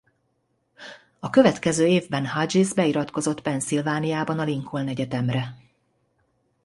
A következő évben Hughes beiratkozott Pennsylvaniában a Lincoln Egyetemre.